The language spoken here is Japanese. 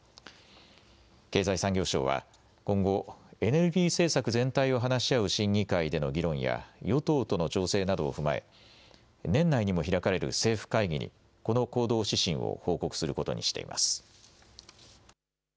経済産業省は今後、エネルギー政策全体を話し合う審議会での議論や、与党との調整などを踏まえ、年内にも開かれる政府会議にこの行動指針を報告することにしています。